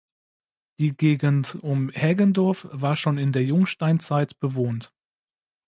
Die Gegend um Hägendorf war schon in der Jungsteinzeit bewohnt.